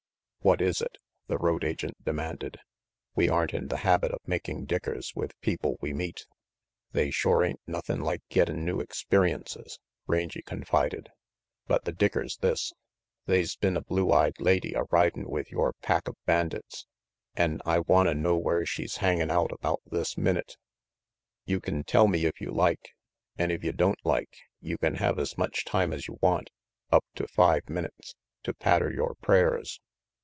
"What is it?" the road agent demanded. "We aren't in the habit of making dickers with people we meet." "They shore ain't nothin' like gettin' new expe riences," Rangy confided, "but the dicker's this. They's been a blue eyed lady a ridin' with yore pack of bandits, an' I wanta know where she's RANGY PETE 83 hangin' out about this minute. You can tell me if you like, an' if you don't like, you can have as much time as you want, up to five minutes, to patter yore prayers.